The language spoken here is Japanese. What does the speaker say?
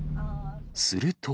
すると。